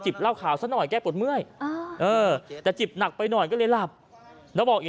จิบเหล้าขาวซะหน่อยแก้ปวดเมื่อยแต่จิบหนักไปหน่อยก็เลยหลับ